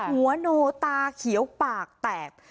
หัวโนตาเขียวปากแตก